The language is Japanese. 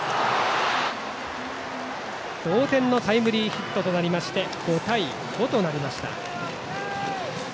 同点のタイムリーヒットとなり５対５となりました。